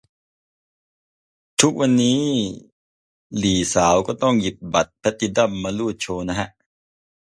ทุกวันนี้หลีสาวก็ต้องหยิบบัตรแพลตตินั่มมารูดโชว์นะฮะ